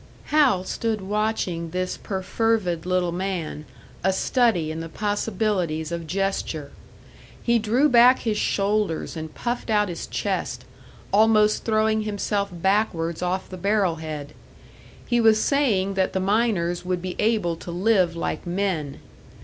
Hal stood watching this perfervid little man, a study in the possibilities of gesture. He drew back his shoulders and puffed out his chest, almost throwing himself backwards off the barrel head; he was saying that the miners would be able to live like men.